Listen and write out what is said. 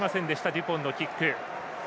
デュポンのキック。